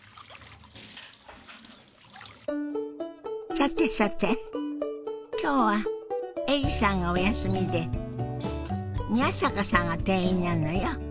さてさて今日はエリさんがお休みで宮坂さんが店員なのよ。